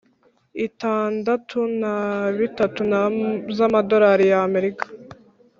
itandatu na bitatu z Amadolari y Abanyamerika